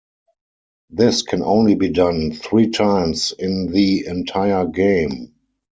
This can only be done three times in the entire game.